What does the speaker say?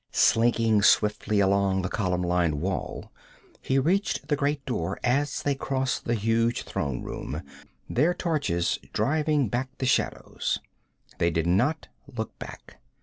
Slinking swiftly along the column lined wall, he reached the great door as they crossed the huge throne room, their torches driving back the shadows. They did not look back.